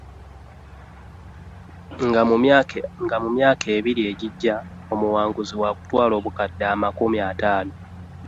Nga mu myaka ebiri egijja, omuwanguzi wa kutwala obukadde amakumi ataano.